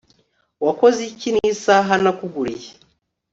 wakoze iki nisaha nakuguriye